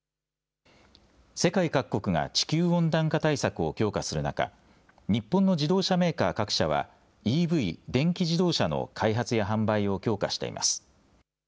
世界各国が地球温暖化対策を強化する中、日本の自動車メーカー各社は、ＥＶ・電気自動車の開発や販売を強化しています。